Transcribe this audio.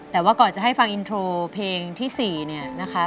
แต่ว่าก่อนจะให้ฟังอินโทรเพลงที่๔เนี่ยนะคะ